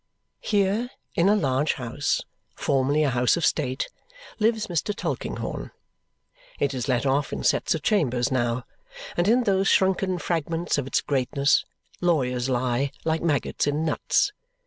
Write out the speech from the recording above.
Here, in a large house, formerly a house of state, lives Mr. Tulkinghorn. It is let off in sets of chambers now, and in those shrunken fragments of its greatness, lawyers lie like maggots in nuts.